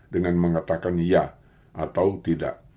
dengan mengatakan iya atau tidak